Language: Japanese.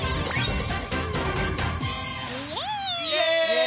イエーイ！